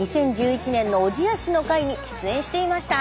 ２０１１年の小千谷市の回に出演していました。